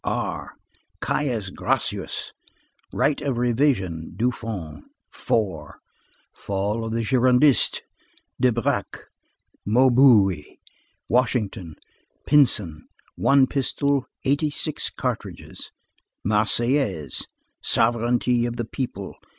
R. Caius Gracchus. Right of revision. Dufond. Four. Fall of the Girondists. Derbac. Maubuée. Washington. Pinson. 1 pistol, 86 cartridges. Marseillaise. Sovereignty of the people.